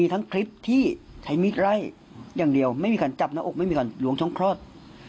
ทั้งคลิปที่ใช้มิดไล่อย่างเดียวไม่ีคนจับในอกไม่มีคนลวงช้องเคราะห์